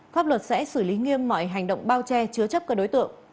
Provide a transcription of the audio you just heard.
pháp luật sẽ xử lý nghiêm mọi hành động bao che chứa chấp các đối tượng